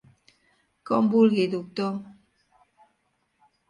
Com vulgui, doctor...